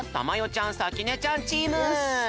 ちゃんさきねちゃんチーム！